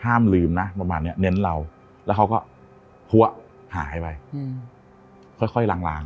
ห้ามลืมน่ะประมาณเนี้ยเน้นเราแล้วเขาก็ห่ายไปอืมค่อยหลังหลัง